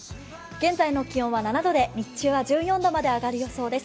現在の気温は７度で日中は１４度まで上がる予想です。